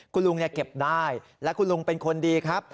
คุณลุงเก็บได้และคุณลุงเป็นคนดีครับ